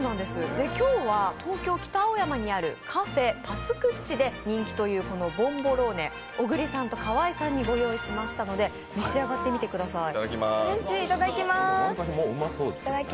今日は東京・北青山にあるカフェパスクッチで人気というボンボローネ、小栗さんと河合さんにご用意しましたので召し上がってください。